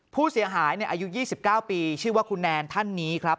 ผู้เสียหายอายุ๒๙ปีชื่อว่าคุณแนนท่านนี้ครับ